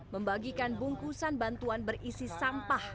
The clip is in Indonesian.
membagikan bungkusan bantuan berisi sampah